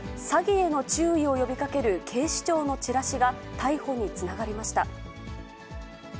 詐欺への注意を呼びかける警視庁のチラシが、逮捕につながりました。